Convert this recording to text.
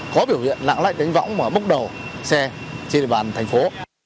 có biểu hiện lãng lạnh đánh võng mà bốc đầu xe trên địa bàn thành phố